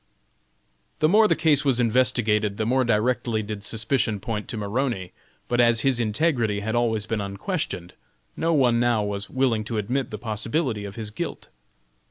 The more the case was investigated, the more directly did suspicion point to Maroney, but as his integrity had always been unquestioned, no one now was willing to admit the possibility of his guilt.